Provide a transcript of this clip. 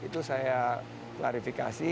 bukan itu saya klarifikasi